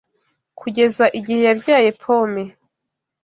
Kugeza igihe yabyaye pome